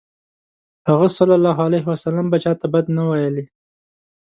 هغه ﷺ به چاته بد نه ویلی.